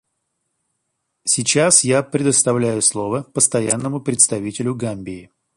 Сейчас я предоставляю слово Постоянному представителю Гамбии.